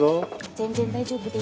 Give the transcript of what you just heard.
全然大丈夫です。